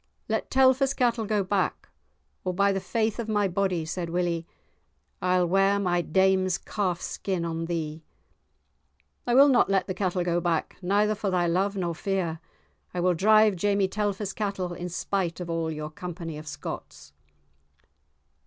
"Let Telfer's cattle go back, or by the faith of my body," said Willie, "I'll ware my dame's calf skin on thee." "I will not let the cattle go back neither for thy love nor fear; I will drive Jamie Telfer's cattle in spite of all your company of Scotts."